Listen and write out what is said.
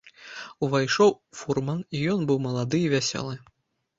Увайшоў фурман, і ён быў малады і вясёлы.